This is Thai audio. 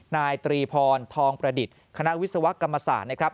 นายตรีพรทองประดิษฐ์คณะวิศวกรรมศาสตร์นะครับ